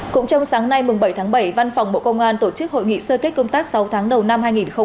cũng trong sáng nay bảy tháng bảy văn phòng bộ công an tổ chức hội nghị sơ kết công tác sáu tháng đầu năm hai nghìn hai mươi ba